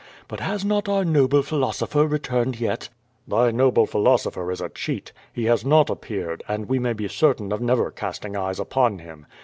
But has not our noble philosopher returned yet?" '^Thy noble philosopher is a cheat. He has not appeared, and we may be certain of never casting eyes upon him."